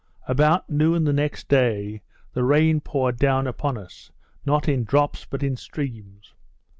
About noon the next day, the rain poured down upon us, not in drops but in streams.